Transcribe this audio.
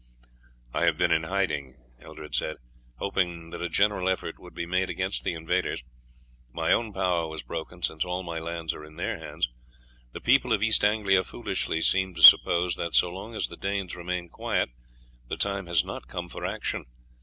"I have been in hiding," Eldred said, "hoping that a general effort would be made against the invaders. My own power was broken, since all my lands are in their hands. The people of East Anglia foolishly seem to suppose that, so long as the Danes remain quiet, the time has not come for action.